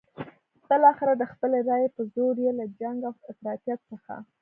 بالاخره د خپلې رايې په زور یې له جنګ او افراطیت څخه.